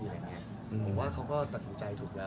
ผมว่าเขาก็ตัดสินใจถูกแล้ว